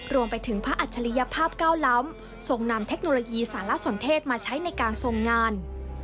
รวมไปถึงพระอัจฉริยภาพเก้าล้ำทรงนำเทคโนโลยีสารสนเทศมาใช้ในการทรงงาน